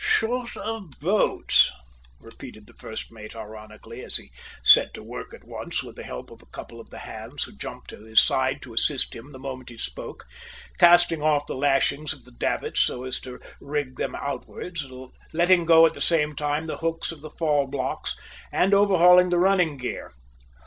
"Short of boats, sir!" repeated the first mate ironically as he set to work at once, with the help of a couple of the hands who jumped to his side to assist him the moment he spoke, casting off the lashings of the davits so as to rig them outwards, letting go at the same time the hooks of the fall blocks and overhauling the running gear.